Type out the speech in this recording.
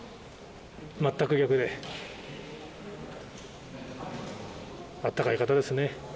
全く逆で、あったかい方ですね。